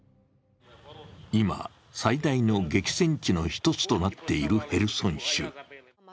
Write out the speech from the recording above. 今、最大の激戦地の１つとなっているヘルソン州。